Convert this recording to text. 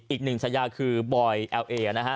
อีกหนึ่งสายะคือบอยแอลเอ